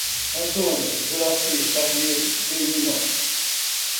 Antônio Juraci Carneiro de Lima